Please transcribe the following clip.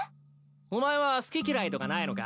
お前は好き嫌いとかないのか？